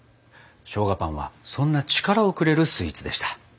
しょうがパンはそんな力をくれるスイーツでした。